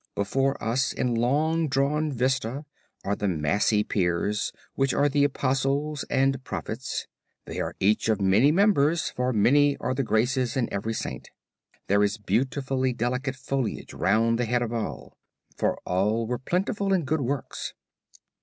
Before us in long drawn vista are the massy piers, which are the Apostles and Prophets they are each of many members, for many are the Graces in every Saint, there is beautifully delicate foliage round the head of all; for all were plentiful in good works.